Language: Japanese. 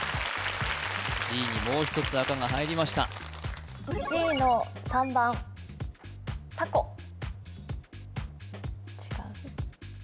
Ｇにもう一つ赤が入りましたＧの３番違う？